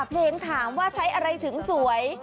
เพลงถามว่าใช้อะไรถึงสวย